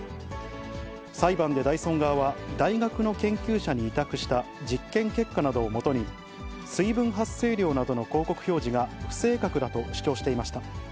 裁判でダイソン側は、大学の研究者に委託した実験結果などをもとに、水分発生量などの広告表示が不正確だと主張していました。